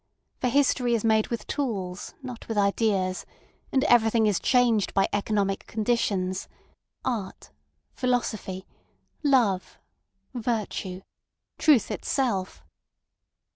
For history is made with tools, not with ideas; and everything is changed by economic conditions—art, philosophy, love, virtue—truth itself!